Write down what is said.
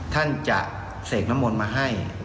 ท่านจะเสกน้ำมนต์มาให้